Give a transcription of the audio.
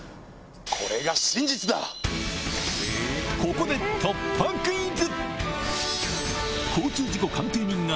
ここで突破クイズ！